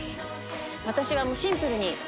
私はシンプルに。